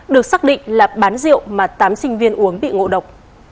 được xác định là bán rượu mà tám sinh viên uống bị ngộ độc